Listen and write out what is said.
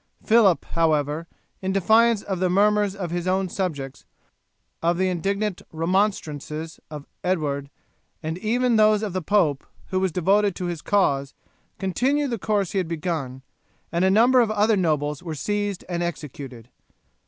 Phillip, however, in defiance of the murmurs of his own subjects, of the indignant remonstrances of Edward, and even those of the pope, who was devoted to his cause, continued the course he had begun, and a number of other nobles were seized and executed.